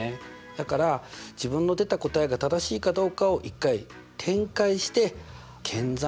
だから自分の出た答えが正しいかどうかを一回展開して検算。